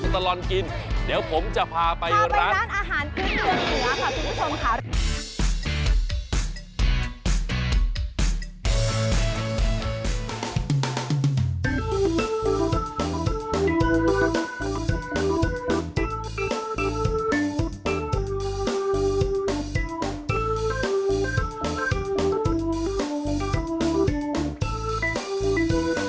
โปรดติดตามตอนต่อไป